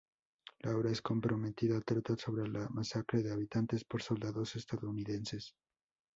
La obra es comprometida, trata sobre la masacre de habitantes por soldados estadounidenses.